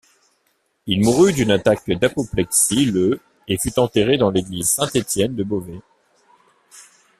Il mourut d'une attaque d'apoplexie le et fut enterré dans l'église Saint-Étienne de Beauvais.